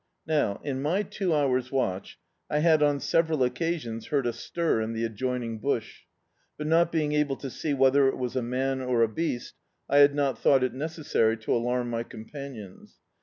Now, in my two hours' watch I had on several occasions heard a stir in the adjoining bush, but not being able to see whether It was a man or a beast, I had not thought it necessary to alarm my com panions.